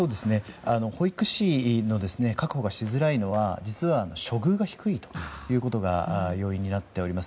保育士の確保がしづらいのは実は処遇が低いということが要因になっています。